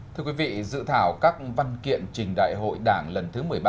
thưa quý vị dự thảo các văn kiện trình đại hội đảng lần thứ một mươi ba